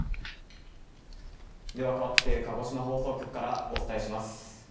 ではかわって鹿児島放送局からお伝えします。